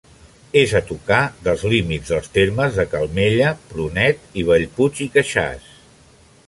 És a tocar dels límits dels termes de Calmella, Prunet i Bellpuig i Queixàs.